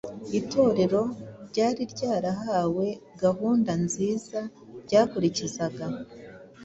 Itorero ryari ryarahawe gahunda nziza ryakurikizaga